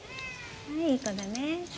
はいいい子だね。